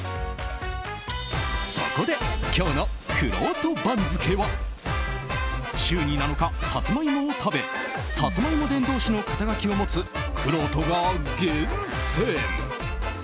そこで、今日のくろうと番付は週に７日さつまいもを食べさつまいも伝道師の肩書を持つくろうとが厳選。